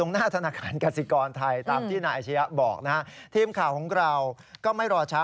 ฮ่าฮ่าฮ่าฮ่าฮ่าฮ่าฮ่าฮ่าฮ่าฮ่าฮ่าฮ่าฮ่า